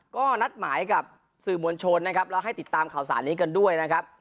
ก็นัดหมายกับสื่อมวลชนนะครับแล้วให้ติดตามข่าวสารนี้กันด้วยนะครับ